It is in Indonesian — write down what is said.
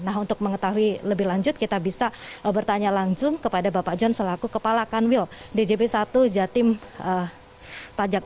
nah untuk mengetahui lebih lanjut kita bisa bertanya langsung kepada bapak john selaku kepala kanwil djp satu jatim pajak